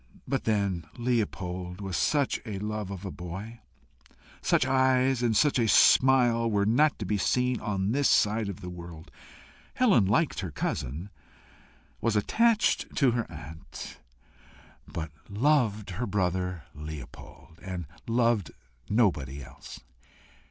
But then Leopold was such a love of a boy! Such eyes and such a smile were not to be seen on this side the world. Helen liked her cousin, was attached to her aunt, but loved her brother Leopold, and loved nobody else.